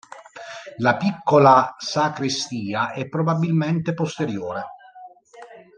La piccola sacrestia è probabilmente posteriore.